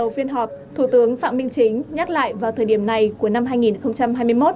trong phiên họp thủ tướng phạm minh chính nhắc lại vào thời điểm này của năm hai nghìn hai mươi một